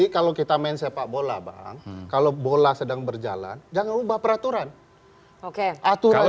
kalau kita main sepak bola bang kalau bola sedang berjalan jangan ubah peraturan oke atur kalau